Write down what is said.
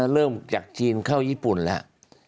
เริ่มจากจีนเข้าญี่ปุ่นแล้ว